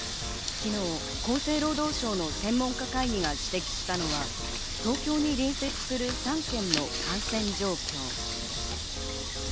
昨日、厚生労働省の専門家会議が指摘したのは、東京に隣接する３県の感染状況。